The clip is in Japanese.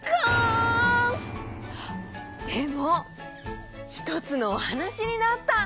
でもひとつのおはなしになった！